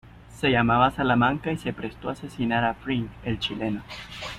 Se llamaba Salamanca y se prestó a asesinar a Fring, el chileno.